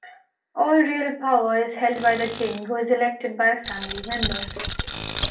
All real power is held by the King, who is elected by family members.